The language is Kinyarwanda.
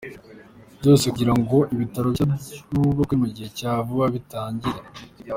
byose kugira ngo ibitaro bishya byubakwe mu gihe cya vuba bitangire